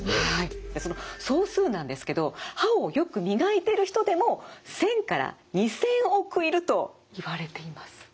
その総数なんですけど歯をよく磨いてる人でも１，０００から２，０００億いるといわれています。